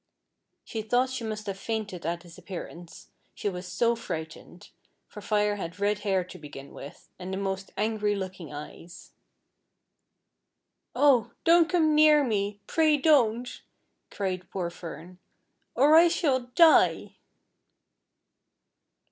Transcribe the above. She thought she must have fainted at his appearance, she was so frightened, for Fire had red hair to begin with, and the most angry looking e\es. " Oh ! don't come near nie ; pray don't I " cried poor Fern, "or I shall die."